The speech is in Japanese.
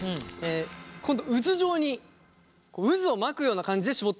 今度渦状に渦を巻くような感じで絞っていきます。